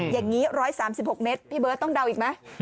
อย่างนี้๑๓๖เมตรพี่เบิร์ตต้องเดาอีกไหม